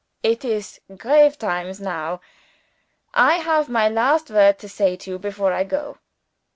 It is grave times now. I have my last word to say to you before I go."